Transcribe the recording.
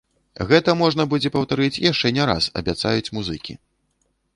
Гэта можна будзе паўтарыць яшчэ не раз, абяцаюць музыкі.